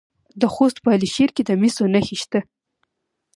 د خوست په علي شیر کې د مسو نښې شته.